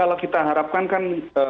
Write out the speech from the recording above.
kalau kita harapkan kan